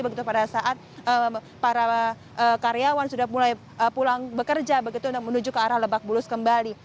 begitu pada saat para karyawan sudah mulai pulang bekerja begitu menuju ke arah lebak bulus kembali